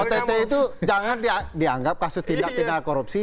ott itu jangan dianggap kasus tindak pidana korupsi